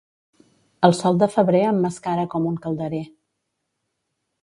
El sol de febrer emmascara com un calderer.